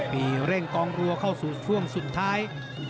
มีเร่งกองรัวเข้าสู่ช่วงสุดท้าย